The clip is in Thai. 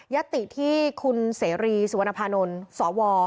ยัติที่คุณเสรีสภนสว